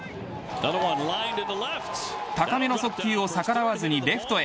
高めの速球を逆らわずにレフトへ。